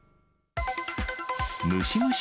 ムシムシ